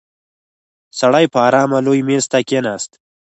سړی په آرامه لوی مېز ته کېناست.